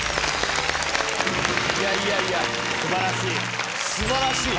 いやいやいや、すばらしい。